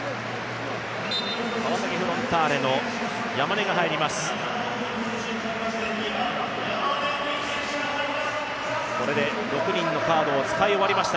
川崎フロンターレの山根が入ります。